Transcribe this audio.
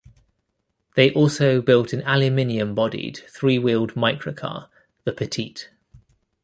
They also built an aluminum-bodied three-wheeled microcar, the Petite.